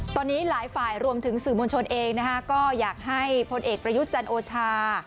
ตอนนี้หลายฝ่ายรวมถึงสื่อมวลชนเองนะคะก็อยากให้พลเอกประยุทธ์จันโอชา